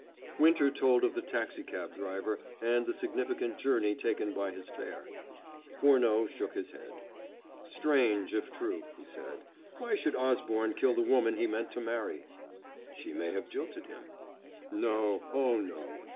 Winter told of the taxicab driver, and the significant journey taken by his fare. Furneaux shook his head. "Strange, if true," he said; "why should Osborne kill the woman he meant to marry?" "She may have jilted him." "No, oh, no.